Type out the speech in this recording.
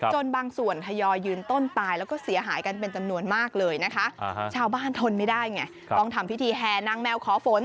จนบางส่วนทยอยยืนต้นตายแล้วก็เสียหายกันเป็นจำนวนมากเลยนะคะชาวบ้านทนไม่ได้ไงต้องทำพิธีแห่นางแมวขอฝน